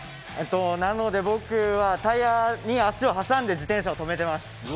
なので、僕はタイヤに足を挟んで自転車を止めてます。